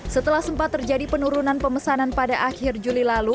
setelah sempat terjadi penurunan pemesanan pada akhir juli lalu